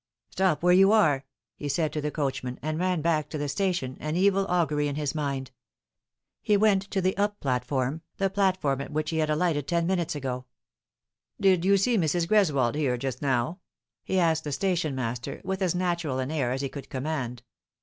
" Stop where you are," he said to the coachman, and ran back to the station, an evil augury in his mind. He went to the up platform, the platform at which he had alighted ten minutes before. " Did you see Mrs. Greswold here just now?" he asked the station master, with as natural an air as he could command.